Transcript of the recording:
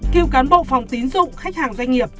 cựu cán bộ phòng tín dụng khách hàng doanh nghiệp